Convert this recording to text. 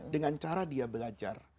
dengan cara dia belajar